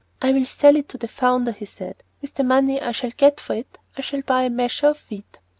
"I will sell it to the founder," he said; "with the money I shall get for it I shall buy a measure of wheat."